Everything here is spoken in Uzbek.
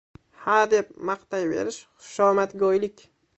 Hadeb maqtayverish — xushomadgo‘ylik.